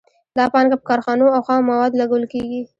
دا پانګه په کارخانو او خامو موادو لګول کېږي